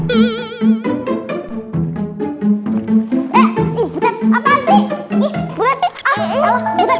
ah salah butet